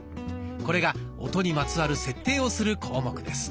これが音にまつわる設定をする項目です。